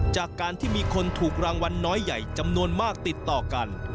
จากการที่มีคนถูกรางวัลน้อยใหญ่จำนวนมากติดต่อกัน